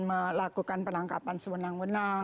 melakukan penangkapan sewenang wenang